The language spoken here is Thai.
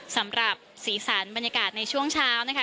สำหรับสีสันบรรยากาศในช่วงเช้านะคะ